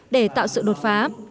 để tạo sự đột phá